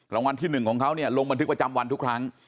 รางวัลที่๑ของเขาเนี่ยลงบันทึกประจำวันทุกครั้ง